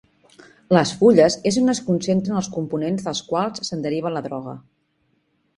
Les fulles és on es concentren els components dels quals se'n deriva la droga.